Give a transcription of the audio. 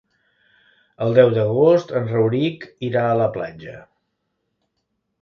El deu d'agost en Rauric irà a la platja.